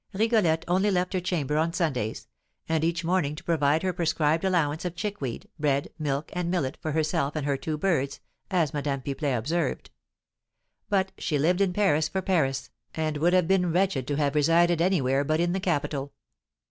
Rigolette only left her chamber on Sundays, and each morning to provide her prescribed allowance of chickweed, bread, milk, and millet, for herself and her two birds, as Madame Pipelet observed; but she lived in Paris for Paris, and would have been wretched to have resided anywhere but in the capital.